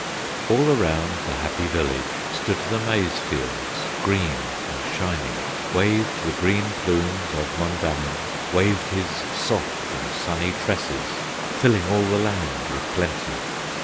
All around the happy village Stood the maize fields, green and shining, Waved the green plumes of Mondamin, Waved his soft and sunny tresses, Filling all the land with plenty.